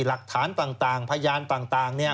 หลักฐานต่างพยานต่าง